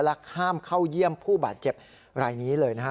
และข้ามเข้าเยี่ยมผู้บาดเจ็บรายนี้เลยนะฮะ